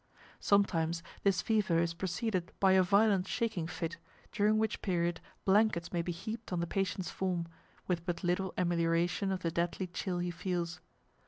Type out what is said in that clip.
Sometimes this fever is preceded by a violent shaking fit, during which period blankets may be heaped on the patient's form, with but little amelioration of the deadly chill he feels.